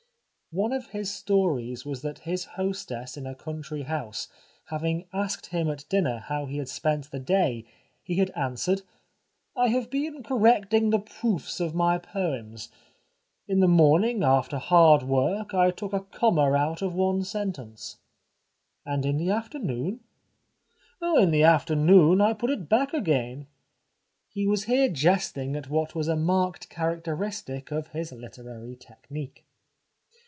One of his stories was that his hostess in a country house having asked him at dinner how he had spent the day he had answered :" I have been correcting the proofs of my poems. In the morning, after hard work, I took a comma out of one sentence." " And in the afternoon ?" "In the afternoon, I put it back again." He was here jesting at what was a marked characteristic of his literary technique.